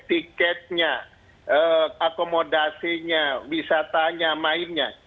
tiketnya akomodasinya wisatanya mainnya